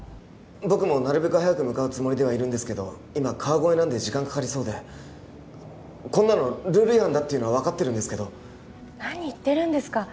僕もなるべく早く向かうつもりではいるんですけど今川越なんで時間かかりそうでこんなのルール違反だっていうのは分かってるんですけど何言ってるんですか